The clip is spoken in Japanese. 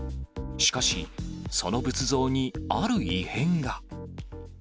しかし、その仏像にある異変が。